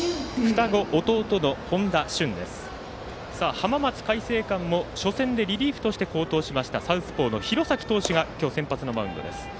浜松開誠館も、初戦でリリーフとして好投しましたサウスポーの廣崎投手が今日先発のマウンドです。